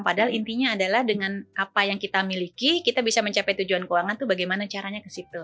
padahal intinya adalah dengan apa yang kita miliki kita bisa mencapai tujuan keuangan itu bagaimana caranya ke situ